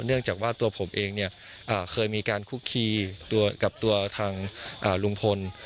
เนื่องจากว่าตัวผมเองเคยมีการคุกคีกับตัวทางลุงพล